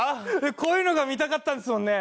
こういうのが見たかったんですもんね？